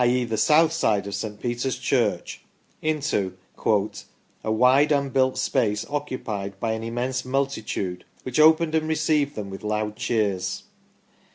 e. the south side of St. Peter's church into " a wide unbuilt space, oc cupied by an immense multitude, which opened and received them with loud cheers".